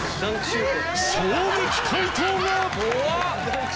衝撃回答が！